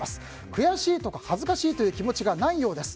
悔しいとか恥ずかしいという気持ちがないようです。